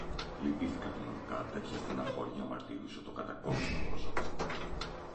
Λυπήθηκα τον Λουκά, τέτοια στενοχώρια μαρτυρούσε το κατακόκκινο πρόσωπο του